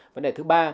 vấn đề thứ ba